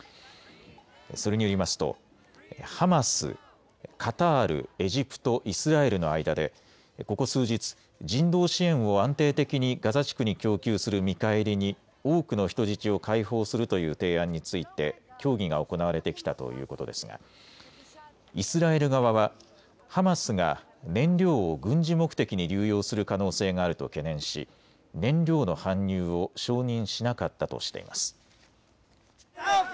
それによりますとハマス、カタール、エジプト、イスラエルの間でここ数日、人道支援を安定的にガザ地区に供給する見返りに多くの人質を解放するという提案について協議が行われてきたということですがイスラエル側は、ハマスが燃料を軍事目的に流用する可能性があると懸念し燃料の搬入を承認しなかったとしています。